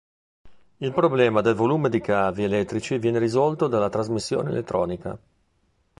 Il problema del volume di cavi elettrici viene risolto dalla trasmissione elettronica.